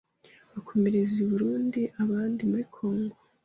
bakomereza i Burundi, abandi muri Congo